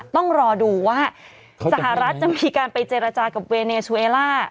ต้องรอดูว่าจัฒารัฐมีการไปเจรจากับเวเนซเวลา